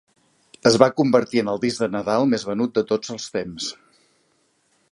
Es va convertir en el disc de Nadal més venut de tots els temps.